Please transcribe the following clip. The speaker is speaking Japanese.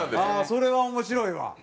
それは面白いわ。